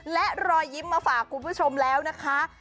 และรอยยิ้มมาฝากคุณผู้ชมแล้วนะคะ